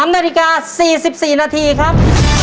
๓นาฬิกา๔๔นาทีครับ